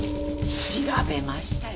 調べましたよ